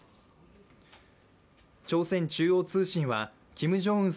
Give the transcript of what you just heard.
朝鮮中央通信はキム・ジョンウン